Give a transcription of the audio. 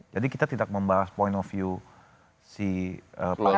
jadi kita tidak membahas point of view si pacarnya